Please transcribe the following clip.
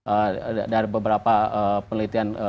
ada beberapa penelitian